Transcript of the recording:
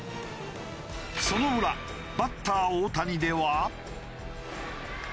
その裏バッター大谷では。